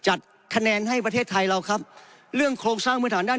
จัดคะแนนให้ประเทศไทยเราครับเรื่องโครงสร้างพื้นฐานด้าน